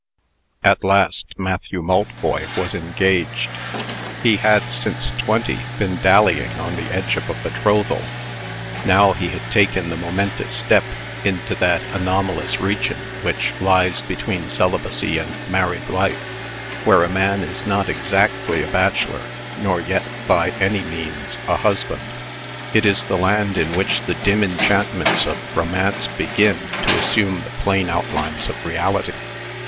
At last, Matthew Maltboy was engaged. He had, since twenty, been dallying on the edge of a betrothal. Now he had taken the momentous step into that anomalous region which lies between celibacy and married life, where a man is not exactly a bachelor, nor yet, by any means, a husband. It is the land in which the dim enchantments of romance begin to assume the plain outlines of reality.